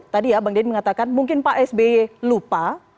tadi ya bang denny mengatakan mungkin pak sby lupa